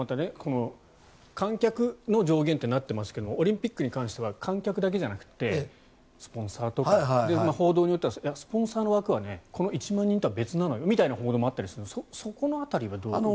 観客の上限ってなってますけどオリンピックに関しては観客だけじゃなくてスポンサーとか報道によってはスポンサーの枠はこの１万人とは別なのよみたいな報道もあったりするんですがそこの辺りはどうなんですか。